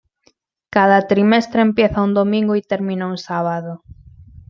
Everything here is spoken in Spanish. Cada trimestre empieza un domingo y termina un sábado.